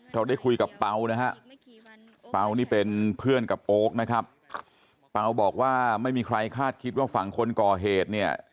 เราได้คุยกับเปานะฮะ